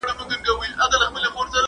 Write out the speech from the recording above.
زموږ له کورونو سره نژدې `